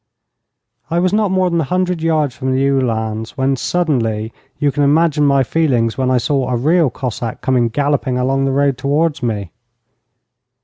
I was not more than a hundred yards from the Uhlans when, suddenly, you can imagine my feelings when I saw a real Cossack coming galloping along the road towards me.